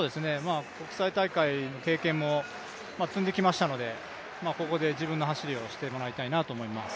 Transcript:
国際大会の経験も積んできましたので、ここで自分の走りをしてもらいたいなと思います。